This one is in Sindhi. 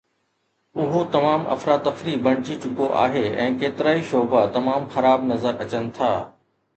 اهو تمام افراتفري بڻجي چڪو آهي ۽ ڪيترائي شعبا تمام خراب نظر اچن ٿا